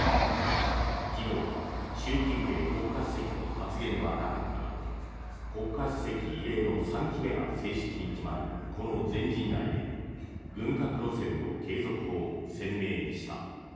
昨日、習近平国家主席の発言はなかったが国家主席異例の３期目が正式に決まるこの全人代で軍拡路線の継続を鮮明にした。